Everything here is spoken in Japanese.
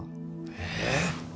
えっ！？